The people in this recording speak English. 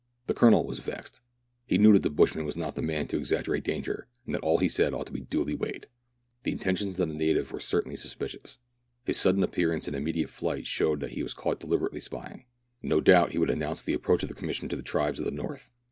The Colonel was vexed. He knew that the bushman was not the man to exaggerate danger, and that all he said ought to be duly weighed. The intentions of the native v^ere certainly suspicious; his sudden appearance and immediate flight showed that he was caught deliberately spying. No doubt he would announce the approach of the Commission to the tribes of the north.